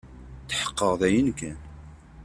Tḥeqqeɣ dayen kan.